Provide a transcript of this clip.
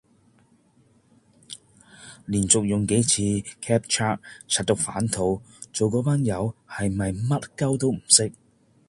連續用幾次 captcha， 柒到反肚，做個班友係咪乜鳩都唔識